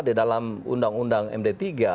di dalam undang undang md tiga